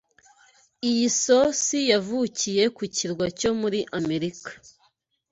iyi sosi yavukiye ku kirwa cyo muri Amerika